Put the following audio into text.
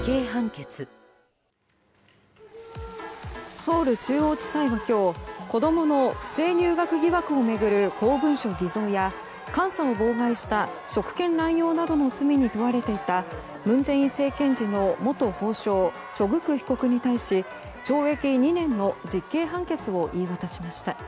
ソウル中央地裁は今日子供の不正入学疑惑を巡る公文書偽造や監査を妨害した職権乱用などの罪に問われていた文在寅政権時の元法相チョ・グク被告に対し懲役２年の実刑判決を言い渡しました。